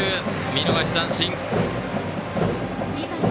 見逃し三振。